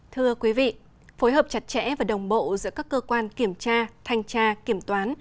thưa quý vị phối hợp chặt chẽ và đồng bộ giữa các cơ quan kiểm tra thanh tra kiểm toán